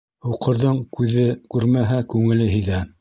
Һуҡырҙың күҙе күрмәһә, күңеле һиҙә.